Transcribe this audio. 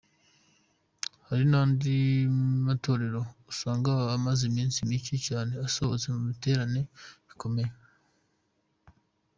Hari n'andi matorero usanga aba amaze iminsi micye cyane asohotse mu biterane bikomeye.